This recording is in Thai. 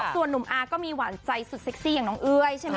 ส่วนนุมอาก็มีหว่าใจสุดได้ที่น้องเอ้ยชะมีล่ะ